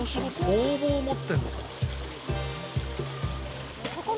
工房持ってるのかな？